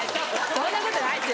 そんなことないです